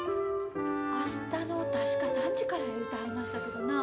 明日の確か３時からや言うてはりましたけどなあ。